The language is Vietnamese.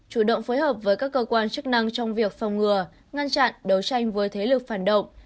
chủ động phối hợp với các cơ quan chức năng trong việc phòng ngừa ngăn chặn đấu tranh với thế lực phản động